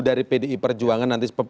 dari pdi perjuangan nanti